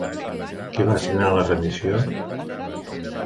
Qui va signar la rendició?